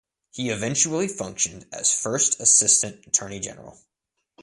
He eventually functioned as First Assistant Attorney General.